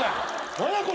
・何やこれ！